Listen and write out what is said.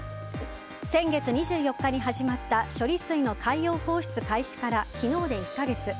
先月２４日に始まった処理水の海洋放出開始から昨日で１か月。